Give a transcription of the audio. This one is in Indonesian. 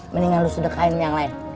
mendingan lu sedekain yang lain